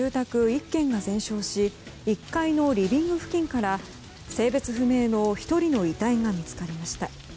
１軒が全焼し１階のリビング付近から性別不明の１人の遺体が見つかりました。